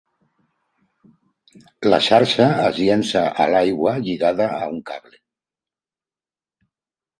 La xarxa es llença a l'aigua lligada a un cable.